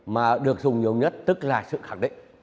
mà được dùng nhiều nhất tức là sự khẳng định